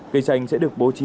cây xanh sẽ được bố trang